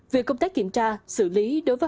việc công tác kiểm tra xử lý đối với